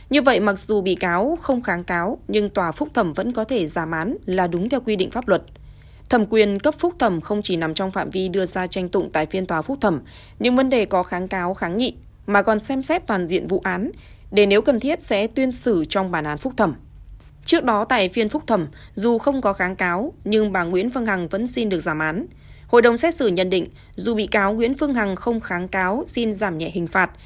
hội đồng xét xử nhận định dù bị cáo nguyễn phương hằng không kháng cáo xin giảm nhẹ hình phạt